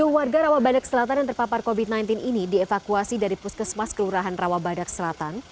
sepuluh warga rawabadak selatan yang terpapar covid sembilan belas ini dievakuasi dari puskesmas kelurahan rawabadak selatan